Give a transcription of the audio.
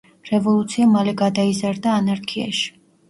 რევოლუცია მალე გადაიზარდა ანარქიაში.